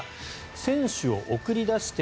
選手を送り出して